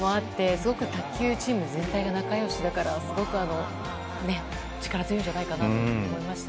すごく卓球チーム全体が仲良しだからすごく力強いんじゃないかなと思いました。